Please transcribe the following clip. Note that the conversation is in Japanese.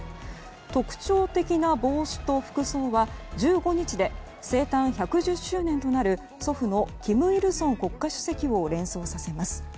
特徴的な帽子と服装は１５日で生誕１１０周年となる祖父の金日成国家主席を連想させます。